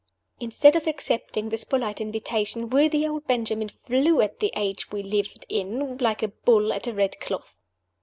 Instead of accepting this polite invitation, worthy old Benjamin flew at the age we lived in like a bull at a red cloth.